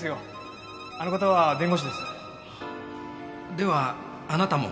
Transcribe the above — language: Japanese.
ではあなたも？